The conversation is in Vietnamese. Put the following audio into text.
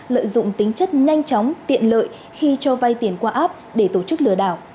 lợi dụng tính chất nhanh chóng tiện lợi khi cho vay tiền qua app để tổ chức lừa đảo